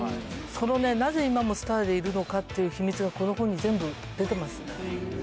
そのね、なぜ今もスターでいるのかっていう秘密が、この本に全部出てます。